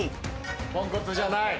ポンコツじゃない。